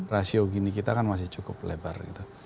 rasio gini kita kan masih cukup lebar gitu